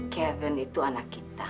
kevin itu anak kita